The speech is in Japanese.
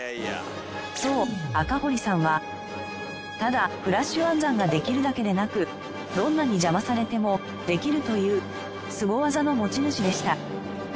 そう赤堀さんはただフラッシュ暗算ができるだけでなくどんなに邪魔されてもできるというスゴ技の持ち主でした。